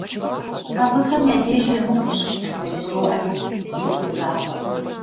Абыхэм я деж емыкӀу къыщысхьмэ жызоӀэри согузавэ.